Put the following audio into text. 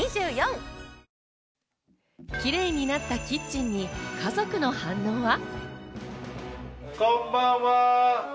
キレイになったキッチンに家族の反応は。